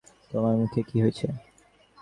তোমার মুখে কি হইছে?